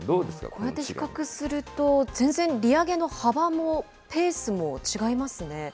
こうやって比較すると、全然利上げの幅もペースも違いますね。